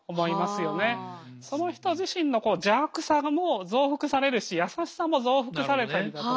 その人自身の邪悪さも増幅されるし優しさも増幅されたりだとか。